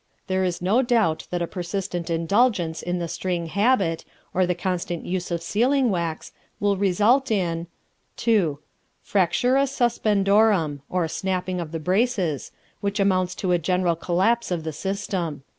There is no doubt that a persistent indulgence in the string habit, or the constant use of sealing wax, will result in II. Fractura Suspendorum, or Snapping of the Braces, which amounts to a general collapse of the system.